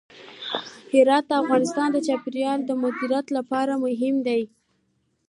هرات د افغانستان د چاپیریال د مدیریت لپاره مهم دی.